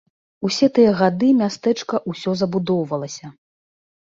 Усе тыя гады мястэчка ўсё забудоўвалася.